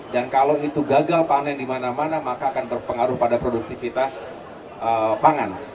dan kalau itu gagal panen dimana mana maka akan berpengaruh pada produktivitas pangan